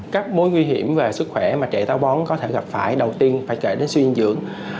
các mối nguy hiểm về sức khỏe mà trẻ tàu bóng có thể gặp phải đầu tiên phải kể đến suy dưỡng